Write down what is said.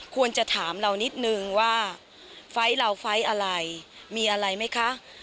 ควรจะถามเรานิดนึงว่าไฟล์เราไฟล์อะไรมีอะไรไหมคะ